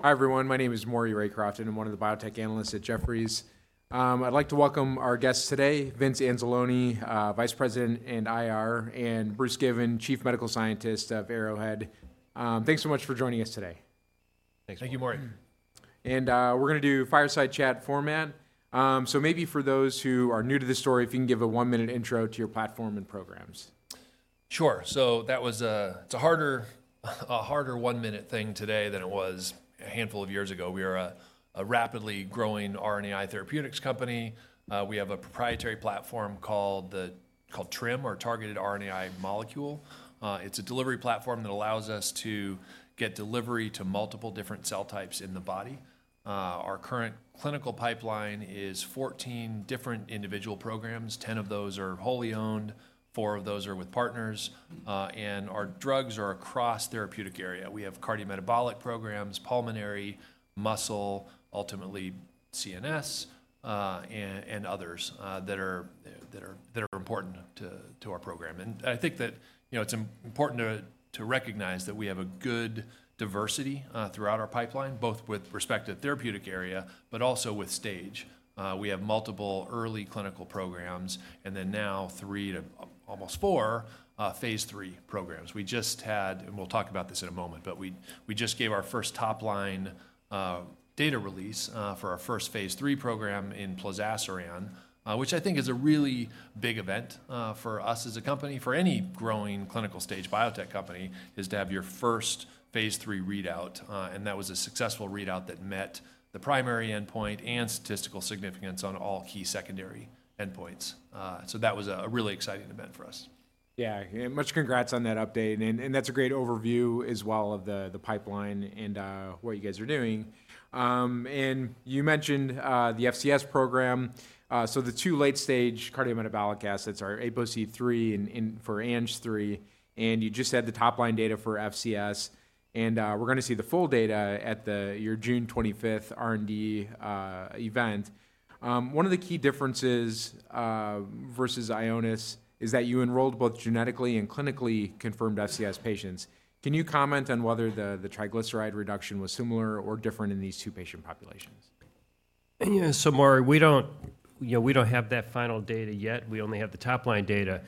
Hi, everyone. My name is Maury Raycroft, and I'm one of the biotech analysts at Jefferies. I'd like to welcome our guests today, Vince Anzalone, Vice President in IR, and Bruce Given, Chief Medical Scientist of Arrowhead. Thanks so much for joining us today. Thanks. Thank you, Maury. We're going to do fireside chat format. So maybe for those who are new to this story, if you can give a one-minute intro to your platform and programs. Sure. So that was a harder 1-minute thing today than it was a handful of years ago. We are a rapidly growing RNAi therapeutics company. We have a proprietary platform called TRiM, or Targeted RNAi Molecule. It's a delivery platform that allows us to get delivery to multiple different cell types in the body. Our current clinical pipeline is 14 different individual programs. 10 of those are wholly owned, 4 of those are with partners, and our drugs are across therapeutic area. We have cardiometabolic programs, pulmonary, muscle, ultimately CNS, and others that are important to our program. And I think that, you know, it's important to recognize that we have a good diversity throughout our pipeline, both with respect to therapeutic area, but also with stage. We have multiple early clinical programs, and then now 3 to almost 4, phase 3 programs. We just had, and we'll talk about this in a moment, but we, we just gave our first top-line data release for our first phase 3 program in plozasiran, which I think is a really big event for us as a company, for any growing clinical-stage biotech company, is to have your first phase 3 readout, and that was a successful readout that met the primary endpoint and statistical significance on all key secondary endpoints. So that was a really exciting event for us. Yeah. Much congrats on that update, and that's a great overview as well of the pipeline and what you guys are doing. And you mentioned the FCS program. So the two late-stage cardiometabolic assets are APOC3 and ANG3, and you just had the top-line data for FCS, and we're going to see the full data at your June twenty-fifth R&D event. One of the key differences versus Ionis is that you enrolled both genetically and clinically confirmed FCS patients. Can you comment on whether the triglyceride reduction was similar or different in these two patient populations? Yeah, so, Maury, we don't, you know, we don't have that final data yet. We only have the top-line data.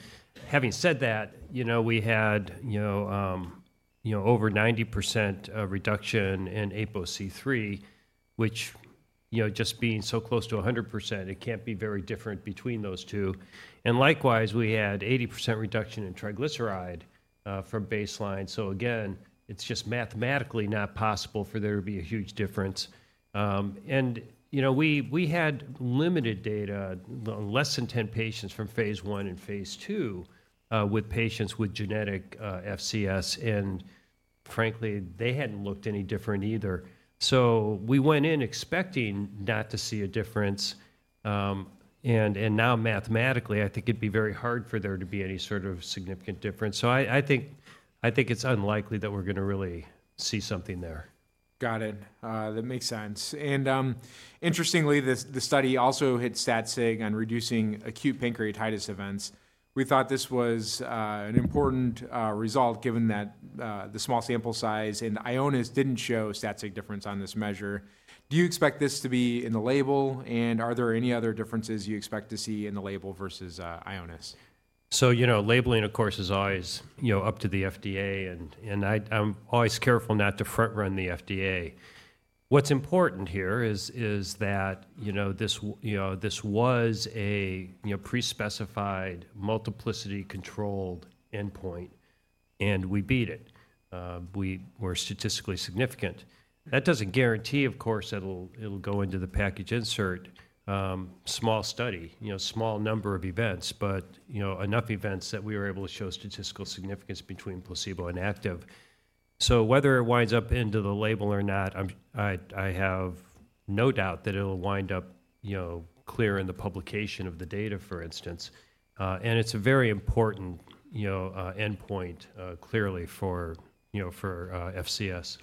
Having said that, you know, we had, you know, over 90% reduction in APOC3, which, you know, just being so close to 100%, it can't be very different between those two. And likewise, we had 80% reduction in triglyceride from baseline. So again, it's just mathematically not possible for there to be a huge difference. And, you know, we had limited data, less than 10 patients from phase I and phase II with patients with genetic FCS, and frankly, they hadn't looked any different either. So we went in expecting not to see a difference, and now mathematically, I think it'd be very hard for there to be any sort of significant difference. So I think it's unlikely that we're going to really see something there. Got it. That makes sense. Interestingly, the study also hit stat sig on reducing acute pancreatitis events. We thought this was an important result, given that the small sample size and Ionis didn't show stat sig difference on this measure. Do you expect this to be in the label, and are there any other differences you expect to see in the label versus Ionis? So, you know, labeling, of course, is always, you know, up to the FDA, and I'm always careful not to front-run the FDA. What's important here is that, you know, this was a pre-specified, multiplicity-controlled endpoint, and we beat it. We were statistically significant. That doesn't guarantee, of course, that it'll go into the package insert. Small study, you know, small number of events, but, you know, enough events that we were able to show statistical significance between placebo and active. So whether it winds up into the label or not, I have no doubt that it'll wind up, you know, clear in the publication of the data, for instance. And it's a very important, you know, endpoint, clearly for, you know, for FCS.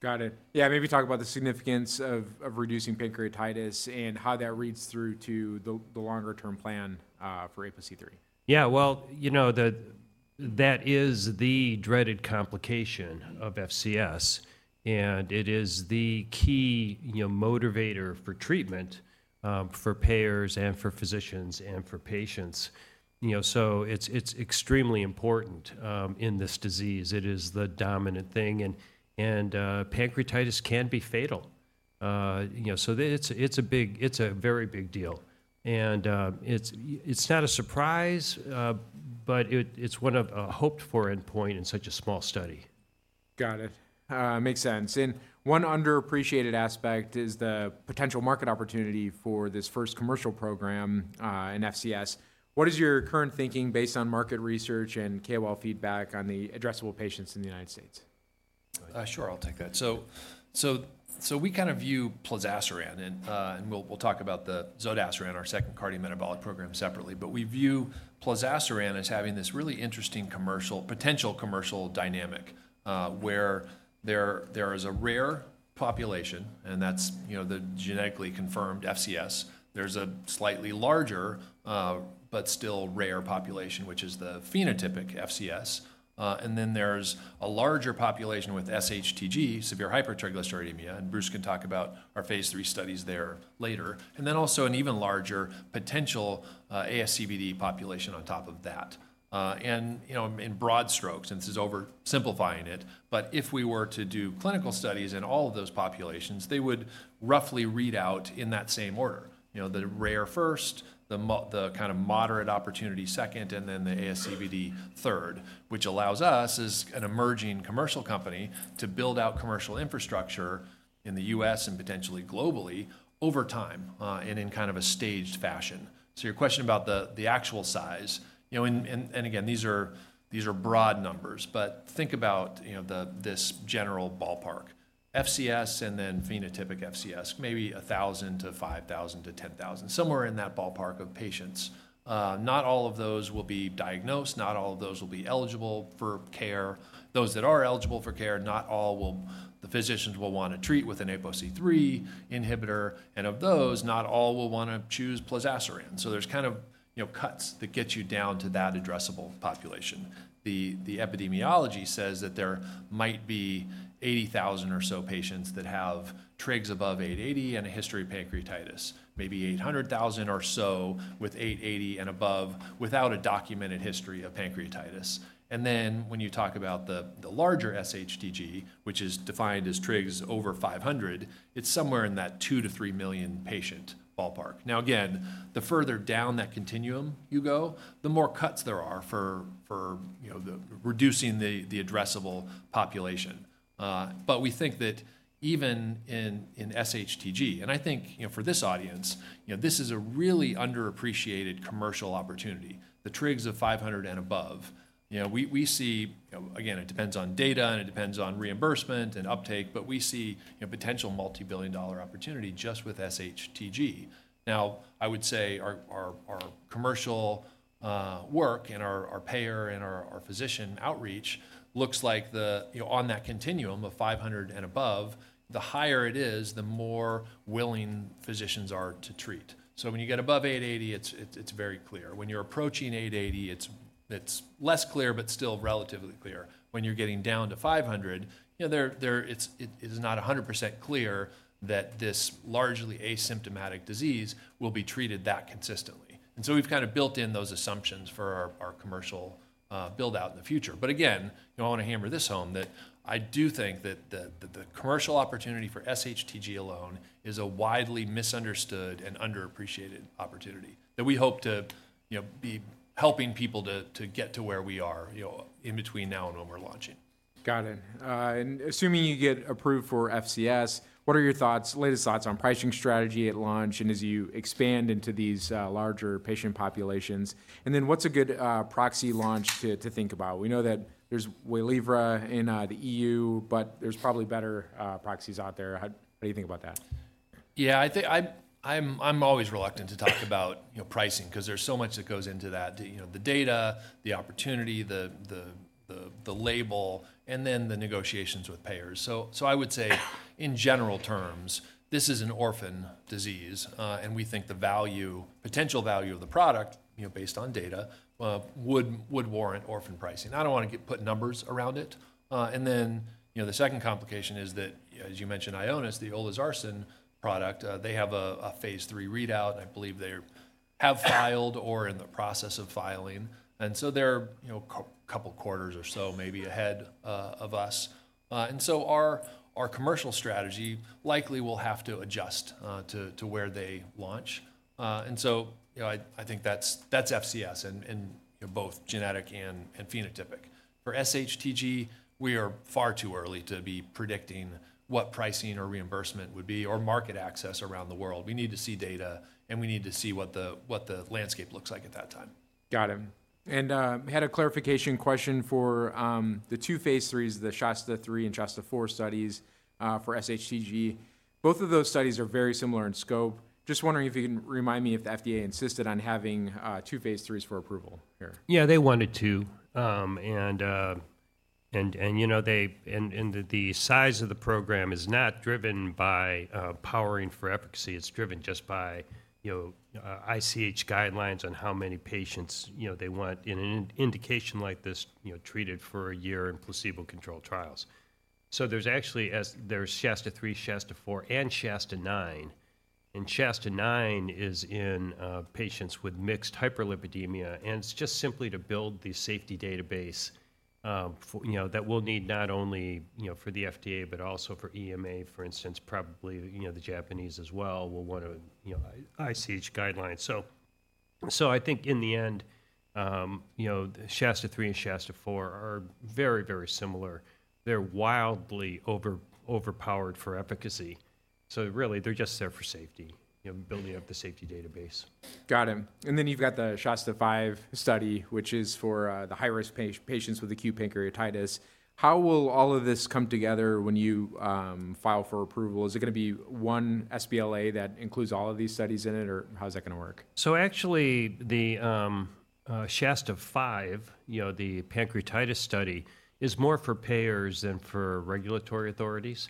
Got it. Yeah, maybe talk about the significance of reducing pancreatitis and how that reads through to the longer-term plan for APOC3. Yeah, well, you know, that is the dreaded complication of FCS, and it is the key, you know, motivator for treatment for payers and for physicians and for patients. You know, so it's, it's extremely important in this disease. It is the dominant thing, and pancreatitis can be fatal. You know, so it's, it's a big, it's a very big deal. And, it's not a surprise, but it, it's one of a hoped-for endpoint in such a small study. Got it. Makes sense. And one underappreciated aspect is the potential market opportunity for this first commercial program in FCS. What is your current thinking based on market research and KOL feedback on the addressable patients in the United States?... Sure, I'll take that. So we kind of view plozasiran, and we'll talk about the zodasiran, our second cardiometabolic program, separately. But we view plozasiran as having this really interesting commercial, potential commercial dynamic, where there is a rare population, and that's, you know, the genetically confirmed FCS. There's a slightly larger, but still rare population, which is the phenotypic FCS. And then there's a larger population with SHTG, severe hypertriglyceridemia, and Bruce can talk about our phase III studies there later. And then also an even larger potential ASCVD population on top of that. And, you know, in broad strokes, and this is oversimplifying it, but if we were to do clinical studies in all of those populations, they would roughly read out in that same order. You know, the rare first, the kind of moderate opportunity second, and then the ASCVD third, which allows us, as an emerging commercial company, to build out commercial infrastructure in the US and potentially globally over time, and in kind of a staged fashion. So your question about the actual size, you know, and again, these are broad numbers, but think about this general ballpark. FCS and then phenotypic FCS, maybe 1,000 to 5,000 to 10,000, somewhere in that ballpark of patients. Not all of those will be diagnosed, not all of those will be eligible for care. Those that are eligible for care, not all will, the physicians will want to treat with an ApoC-III inhibitor, and of those, not all will want to choose plozasiran. So there's kind of, you know, cuts that get you down to that addressable population. The epidemiology says that there might be 80,000 or so patients that have trigs above 880 and a history of pancreatitis, maybe 800,000 or so with 880 and above, without a documented history of pancreatitis. And then, when you talk about the larger SHTG, which is defined as trigs over 500, it's somewhere in that 2-3 million patient ballpark. Now, again, the further down that continuum you go, the more cuts there are for, you know, reducing the addressable population. But we think that even in SHTG, and I think, you know, for this audience, you know, this is a really underappreciated commercial opportunity, the trigs of 500 and above. You know, we see, again, it depends on data, and it depends on reimbursement and uptake, but we see a potential multibillion-dollar opportunity just with SHTG. Now, I would say our commercial work and our payer and our physician outreach looks like the, you know, on that continuum of 500 and above, the higher it is, the more willing physicians are to treat. So when you get above 880, it's very clear. When you're approaching 880, it's less clear but still relatively clear. When you're getting down to 500, you know, there, it is not 100% clear that this largely asymptomatic disease will be treated that consistently. And so we've kind of built in those assumptions for our commercial build-out in the future. But again, you know, I want to hammer this home, that I do think that the commercial opportunity for SHTG alone is a widely misunderstood and underappreciated opportunity, that we hope to, you know, be helping people to get to where we are, you know, in between now and when we're launching. Got it. And assuming you get approved for FCS, what are your thoughts, latest thoughts on pricing strategy at launch and as you expand into these, larger patient populations? And then what's a good, proxy launch to think about? We know that there's Wegovy in the EU, but there's probably better, proxies out there. How, what do you think about that? Yeah, I think I'm always reluctant to talk about, you know, pricing 'cause there's so much that goes into that. You know, the data, the opportunity, the label, and then the negotiations with payers. So I would say, in general terms, this is an orphan disease, and we think the value, potential value of the product, you know, based on data, would warrant orphan pricing. I don't want to put numbers around it. And then, you know, the second complication is that, as you mentioned, Ionis, the olezarsen product, they have a phase III readout, and I believe they have filed or are in the process of filing. And so they're, you know, a couple quarters or so maybe ahead of us. And so our commercial strategy likely will have to adjust to where they launch. And so, you know, I think that's FCS in both genetic and phenotypic. For SHTG, we are far too early to be predicting what pricing or reimbursement would be or market access around the world. We need to see data, and we need to see what the landscape looks like at that time. Got it. And, had a clarification question for, the two phase IIIs, the SHASTA-3 and SHASTA-4 studies, for SHTG. Both of those studies are very similar in scope. Just wondering if you can remind me if the FDA insisted on having, two phase IIIs for approval here. Yeah, they wanted to. And, you know, the size of the program is not driven by powering for efficacy. It's driven just by, you know, ICH guidelines on how many patients, you know, they want in an indication like this, you know, treated for a year in placebo-controlled trials. So there's actually SHASTA-3, SHASTA-4, and SHASTA-9, and SHASTA-9 is in patients with mixed hyperlipidemia, and it's just simply to build the safety database for, you know, that we'll need not only, you know, for the FDA, but also for EMA, for instance. Probably, you know, the Japanese as well will want to, you know, ICH guidelines. So I think in the end, you know, SHASTA-3 and SHASTA-4 are very, very similar. They're wildly overpowered for efficacy... So really, they're just there for safety, you know, building up the safety database. Got it. And then you've got the SHASTA-5 study, which is for the high-risk patients with acute pancreatitis. How will all of this come together when you file for approval? Is it gonna be one sBLA that includes all of these studies in it, or how is that gonna work? So actually, the SHASTA-5, you know, the pancreatitis study, is more for payers than for regulatory authorities.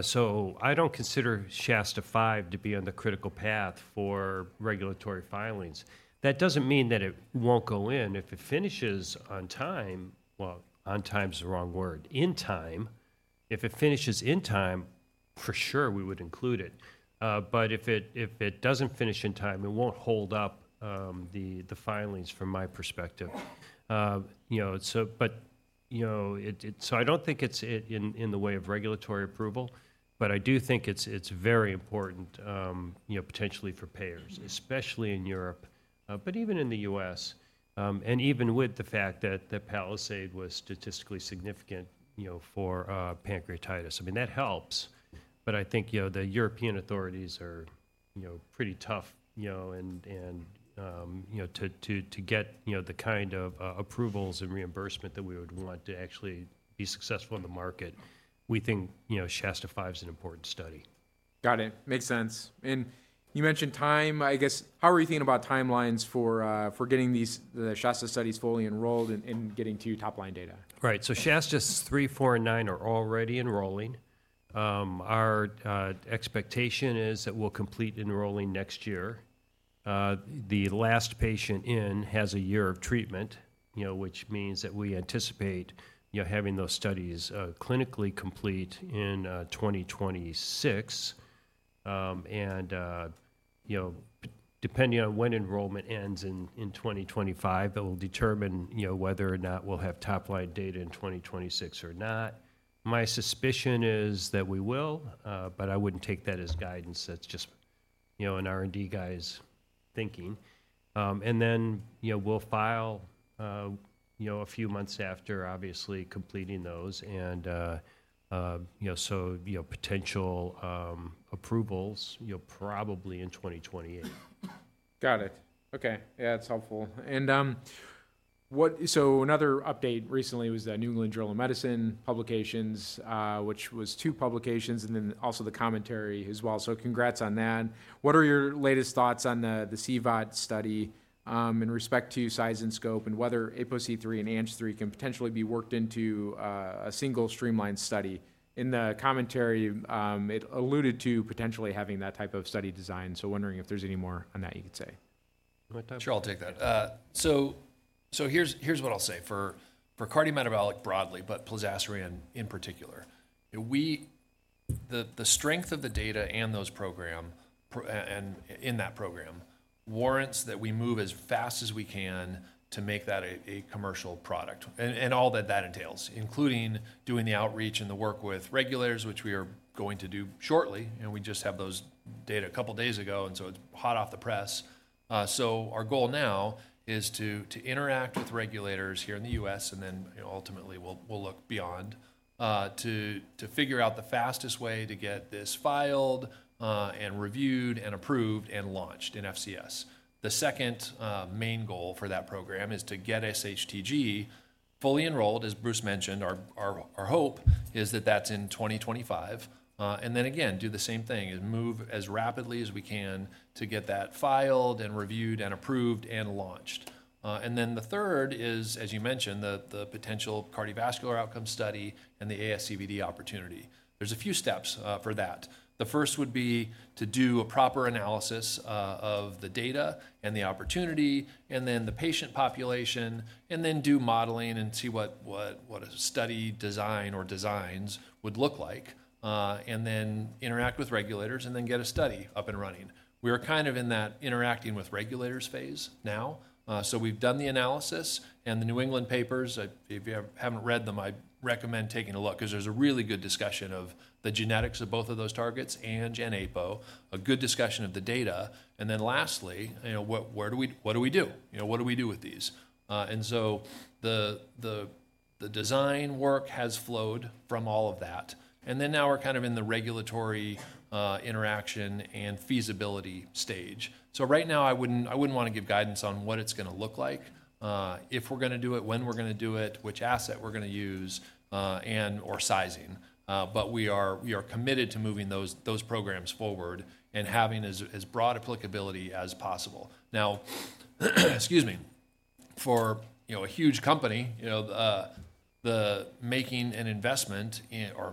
So I don't consider SHASTA-5 to be on the critical path for regulatory filings. That doesn't mean that it won't go in. If it finishes on time. Well, on time is the wrong word. In time, if it finishes in time, for sure, we would include it. But if it doesn't finish in time, it won't hold up the filings from my perspective. You know, so but, you know, it. So I don't think it's in the way of regulatory approval, but I do think it's very important, you know, potentially for payers, especially in Europe, but even in the US. And even with the fact that the PALISADE was statistically significant, you know, for pancreatitis, I mean, that helps. But I think, you know, the European authorities are, you know, pretty tough, you know, and you know, to get, you know, the kind of approvals and reimbursement that we would want to actually be successful in the market, we think, you know, SHASTA-5 is an important study. Got it. Makes sense. You mentioned time, I guess, how are you thinking about timelines for getting these, the SHASTA studies fully enrolled and getting to top-line data? Right. So SHASTA-3, 4, and 9 are already enrolling. Our expectation is that we'll complete enrolling next year. The last patient in has a year of treatment, you know, which means that we anticipate, you know, having those studies clinically complete in 2026. And, you know, depending on when enrollment ends in 2025, that will determine, you know, whether or not we'll have top-line data in 2026 or not. My suspicion is that we will, but I wouldn't take that as guidance. That's just, you know, an R&D guy's thinking. And then, you know, we'll file, you know, a few months after obviously completing those, and, you know, so, you know, potential approvals, you know, probably in 2028. Got it. Okay. Yeah, it's helpful. So another update recently was the New England Journal of Medicine publications, which was two publications, and then also the commentary as well. So congrats on that. What are your latest thoughts on the CVOT study in respect to size and scope, and whether APOC3 and ANGPTL3 can potentially be worked into a single streamlined study? In the commentary, it alluded to potentially having that type of study design, so wondering if there's any more on that you could say. You want that? Sure, I'll take that. So here's what I'll say, for cardiometabolic broadly, but plozasiran in particular. The strength of the data in those programs and in that program warrants that we move as fast as we can to make that a commercial product, and all that that entails, including doing the outreach and the work with regulators, which we are going to do shortly, and we just have those data a couple of days ago, and so it's hot off the press. So our goal now is to interact with regulators here in the U.S., and then, you know, ultimately, we'll look beyond to figure out the fastest way to get this filed and reviewed, and approved, and launched in FCS. The second main goal for that program is to get SHTG fully enrolled, as Bruce mentioned. Our hope is that that's in 2025, and then again, do the same thing and move as rapidly as we can to get that filed, and reviewed, and approved, and launched. And then the third is, as you mentioned, the potential cardiovascular outcome study and the ASCVD opportunity. There's a few steps for that. The first would be to do a proper analysis of the data and the opportunity, and then the patient population, and then do modeling and see what a study design or designs would look like, and then interact with regulators, and then get a study up and running. We're kind of in that interacting with regulators phase now. So we've done the analysis and the New England papers. If you haven't read them, I'd recommend taking a look 'cause there's a really good discussion of the genetics of both of those targets, ANG and APO, a good discussion of the data. And then lastly, you know, what do we do? You know, what do we do with these? And so the design work has flowed from all of that, and then now we're kind of in the regulatory interaction and feasibility stage. So right now, I wouldn't want to give guidance on what it's gonna look like, if we're gonna do it, when we're gonna do it, which asset we're gonna use, and/or sizing. But we are committed to moving those programs forward and having as broad applicability as possible. Now, excuse me. For, you know, a huge company, you know, the making an investment in—or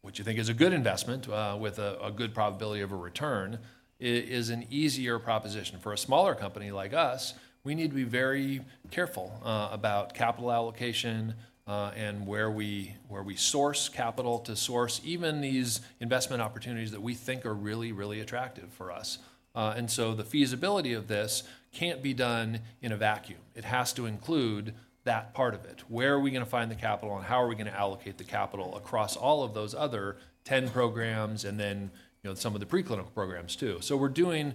what you think is a good investment with a good probability of a return is an easier proposition. For a smaller company like us, we need to be very careful about capital allocation, and where we source capital to source, even these investment opportunities that we think are really, really attractive for us. And so the feasibility of this can't be done in a vacuum. It has to include that part of it. Where are we gonna find the capital, and how are we gonna allocate the capital across all of those other 10 programs, and then, you know, some of the preclinical programs, too? So we're doing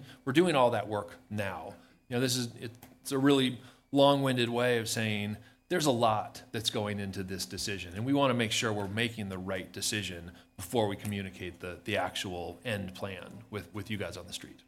all that work now. You know, this is a really long-winded way of saying there's a lot that's going into this decision, and we wanna make sure we're making the right decision before we communicate the actual end plan with you guys on the street. ...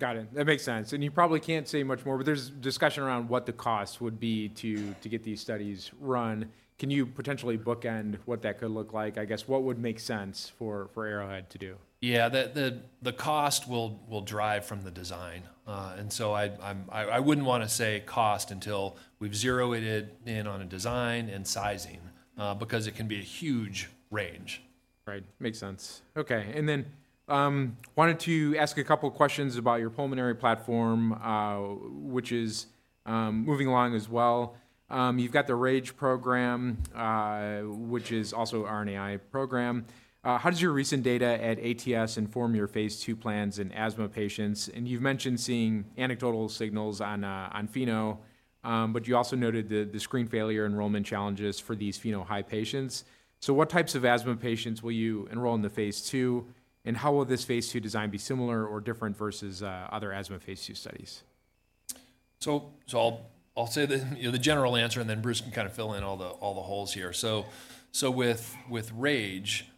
Got it. That makes sense, and you probably can't say much more, but there's discussion around what the cost would be to get these studies run. Can you potentially bookend what that could look like? I guess, what would make sense for Arrowhead to do? Yeah, the cost will drive from the design. And so I wouldn't wanna say cost until we've zeroed it in on a design and sizing, because it can be a huge range. Right. Makes sense. Okay, and then wanted to ask a couple questions about your pulmonary platform, which is moving along as well. You've got the RAGE program, which is also an RNAi program. How does your recent data at ATS inform your phase II plans in asthma patients? And you've mentioned seeing anecdotal signals on on FeNO, but you also noted the screen failure enrollment challenges for these FeNO high patients. So what types of asthma patients will you enroll in the phase II, and how will this phase II design be similar or different versus other asthma phase II studies? So I'll say the general answer, you know, and then Bruce can kind of fill in all the holes here. So with RAGE,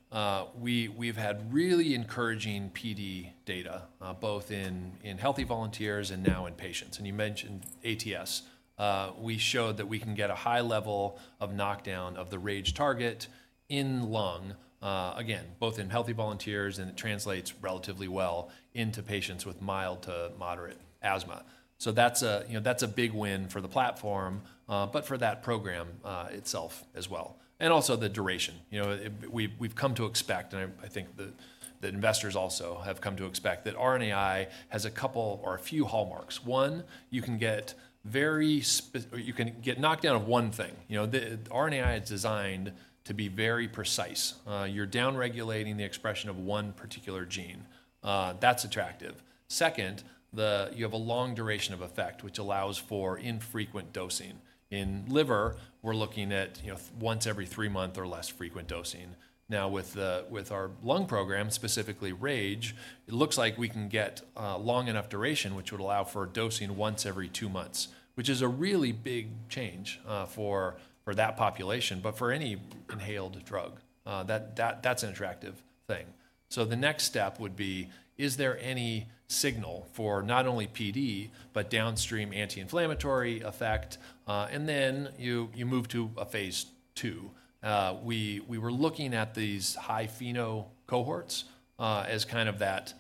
we've had really encouraging PD data, both in healthy volunteers and now in patients. And you mentioned ATS. We showed that we can get a high level of knockdown of the RAGE target in lung, again, both in healthy volunteers, and it translates relatively well into patients with mild to moderate asthma. So that's a big win for the platform, you know, but for that program itself as well, and also the duration. You know, we've come to expect, and I think that investors also have come to expect, that RNAi has a couple or a few hallmarks. One, you can get very spec... Or you can get knockdown of one thing. You know, the RNAi is designed to be very precise. You're down-regulating the expression of one particular gene. That's attractive. Second, you have a long duration of effect, which allows for infrequent dosing. In liver, we're looking at, you know, once every three months or less frequent dosing. Now, with our lung program, specifically RAGE, it looks like we can get a long enough duration, which would allow for dosing once every two months, which is a really big change, for that population. But for any inhaled drug, that's an attractive thing. So the next step would be, is there any signal for not only PD, but downstream anti-inflammatory effect? And then you move to a phase II. We were looking at these high FeNO cohorts as kind of that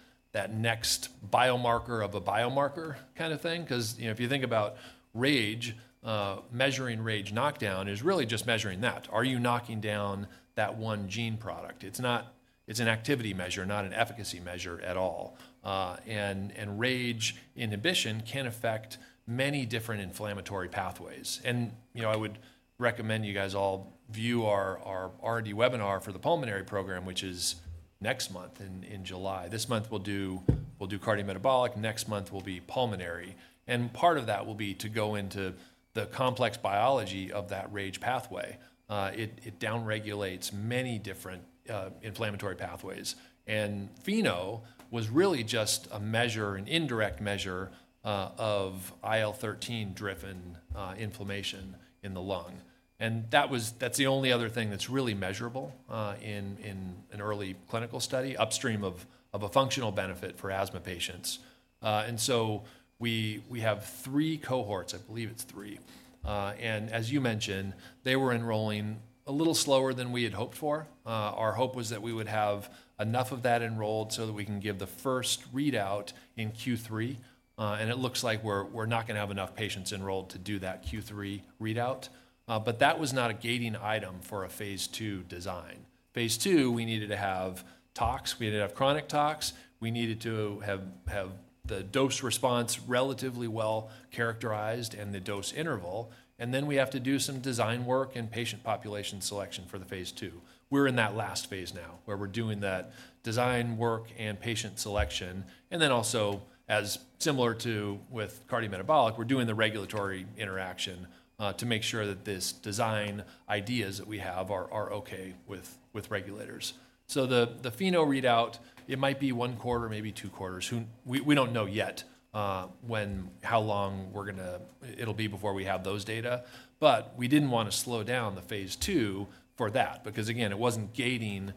next biomarker of a biomarker kind of thing, 'cause, you know, if you think about RAGE, measuring RAGE knockdown is really just measuring that. Are you knocking down that one gene product? It's not. It's an activity measure, not an efficacy measure at all. And RAGE inhibition can affect many different inflammatory pathways. And, you know, I would recommend you guys all view our R&D webinar for the pulmonary program, which is next month, in July. This month we'll do cardiometabolic, next month will be pulmonary, and part of that will be to go into the complex biology of that RAGE pathway. It down-regulates many different inflammatory pathways. FeNO was really just a measure, an indirect measure, of IL-13-driven inflammation in the lung, and that was, that's the only other thing that's really measurable, in an early clinical study, upstream of a functional benefit for asthma patients. So we have three cohorts, I believe it's three, and as you mentioned, they were enrolling a little slower than we had hoped for. Our hope was that we would have enough of that enrolled so that we can give the first readout in Q3, and it looks like we're not gonna have enough patients enrolled to do that Q3 readout. But that was not a gating item for a phase II design. Phase II, we needed to have tox, we needed to have chronic tox, we needed to have the dose response relatively well characterized and the dose interval, and then we have to do some design work and patient population selection for the phase II. We're in that last phase now, where we're doing that design work and patient selection, and then also, as similar to with cardiometabolic, we're doing the regulatory interaction, to make sure that this design ideas that we have are okay with regulators. So the FeNO readout, it might be one quarter, maybe two quarters, we don't know yet when how long we're gonna. It'll be before we have those data. But we didn't wanna slow down the phase II for that, because again, it wasn't gating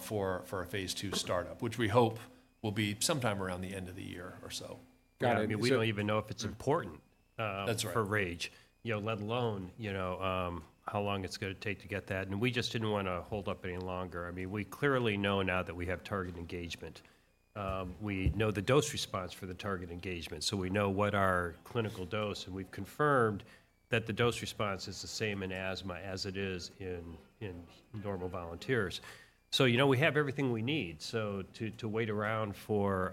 for a phase II startup, which we hope will be sometime around the end of the year or so. Got it, so- I mean, we don't even know if it's important. That's right... for RAGE, you know, let alone, you know, how long it's gonna take to get that, and we just didn't wanna hold up any longer. I mean, we clearly know now that we have target engagement. We know the dose response for the target engagement, so we know what our clinical dose, and we've confirmed that the dose response is the same in asthma as it is in normal volunteers. So, you know, we have everything we need. So to wait around for,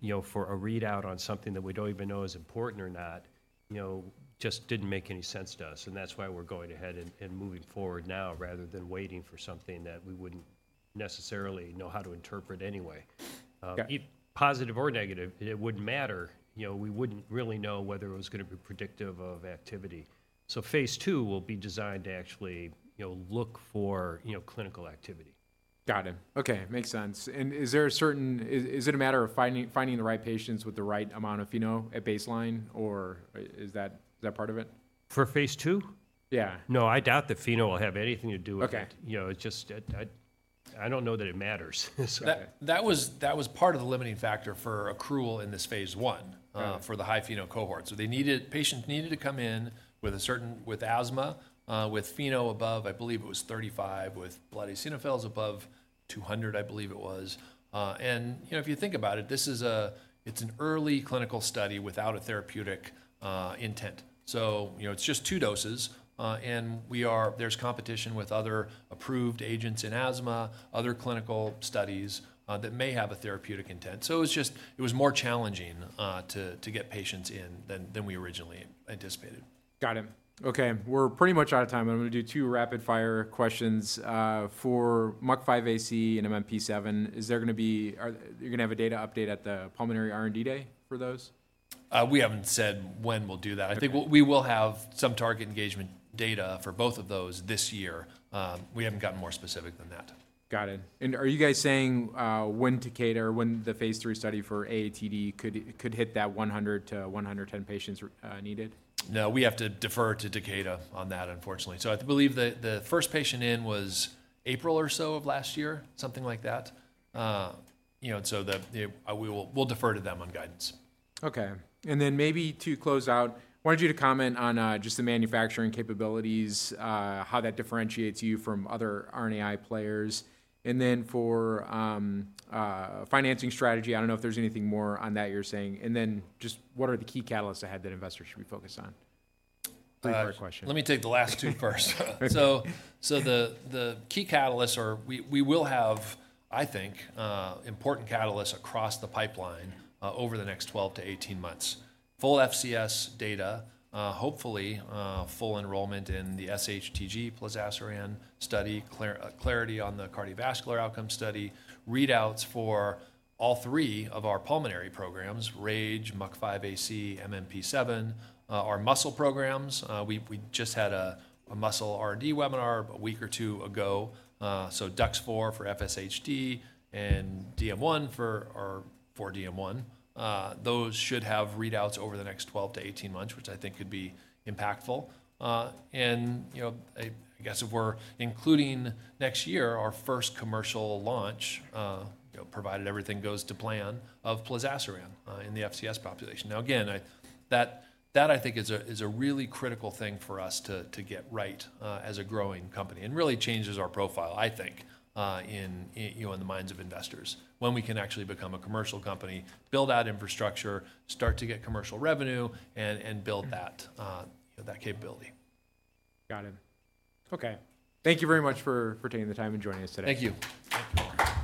you know, for a readout on something that we don't even know is important or not, you know, just didn't make any sense to us, and that's why we're going ahead and moving forward now, rather than waiting for something that we wouldn't necessarily know how to interpret anyway. Got-... positive or negative, it wouldn't matter, you know, we wouldn't really know whether it was gonna be predictive of activity. So phase II will be designed to actually, you know, look for, you know, clinical activity. Got it. Okay, makes sense. And is there a certain... Is it a matter of finding the right patients with the right amount of FeNO at baseline, or is that part of it? For phase II? Yeah. No, I doubt that FeNO will have anything to do with it. Okay. You know, it just,... I don't know that it matters. That was part of the limiting factor for accrual in this Phase 1- Right. for the high FeNO cohort. So they needed, patients needed to come in with a certain, with asthma, with FeNO above, I believe it was 35, with blood eosinophils above 200, I believe it was. And, you know, if you think about it, this is a, it's an early clinical study without a therapeutic intent. So, you know, it's just two doses, and there's competition with other approved agents in asthma, other clinical studies that may have a therapeutic intent. So it was just, it was more challenging to get patients in than we originally anticipated. Got it. Okay, we're pretty much out of time, but I'm gonna do two rapid-fire questions. For MUC5AC and MMP7, is there gonna be... Are you gonna have a data update at the Pulmonary R&D Day for those? We haven't said when we'll do that. Okay. I think we will have some target engagement data for both of those this year. We haven't gotten more specific than that. Got it. Are you guys saying, when Takeda, when the phase 3 study for AATD could hit that 100-110 patients needed? No, we have to defer to Takeda on that, unfortunately. So I believe the first patient in was April or so of last year, something like that. You know, and so we will, we'll defer to them on guidance. Okay. And then maybe to close out, I wanted you to comment on just the manufacturing capabilities, how that differentiates you from other RNAi players. And then for financing strategy, I don't know if there's anything more on that you're saying. And then just what are the key catalysts ahead that investors should be focused on? Three-part question. Let me take the last two first. So the key catalysts are we will have, I think, important catalysts across the pipeline, over the next 12-18 months. Full FCS data, hopefully, full enrollment in the SHTG plozasiran study, clarity on the cardiovascular outcome study, readouts for all three of our pulmonary programs, RAGE, MUC5AC, MMP7, our muscle programs. We've just had a muscle R&D webinar about a week or two ago, so DUX4 for FSHD and DM1 for our... for DM1. Those should have readouts over the next 12-18 months, which I think could be impactful. And, you know, I guess if we're including next year, our first commercial launch, you know, provided everything goes to plan, of plozasiran, in the FCS population. Now, again, I... That that I think is a really critical thing for us to get right, as a growing company, and really changes our profile, I think, in, you know, in the minds of investors, when we can actually become a commercial company, build out infrastructure, start to get commercial revenue, and build that, you know, that capability. Got it. Okay. Thank you very much for taking the time and joining us today. Thank you.